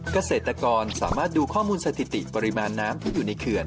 เกษตรกรสามารถดูข้อมูลสถิติปริมาณน้ำที่อยู่ในเขื่อน